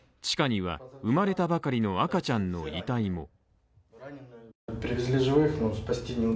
地下には生まれたばかりの赤ちゃんの遺体も。